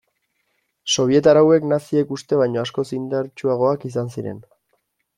Sobietar hauek naziek uste baino askoz indartsuagoak izan ziren.